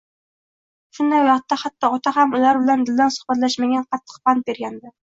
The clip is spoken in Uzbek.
Shunday vaqtda hatto ota ham ular bilan dildan suhbatlashmagani qattiq pand bergandi